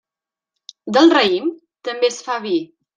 Del raïm, també es fa vi.